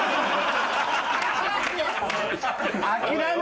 諦め。